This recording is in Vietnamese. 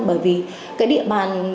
bởi vì địa bàn